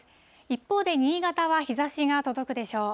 一方で新潟は日ざしが届くでしょう。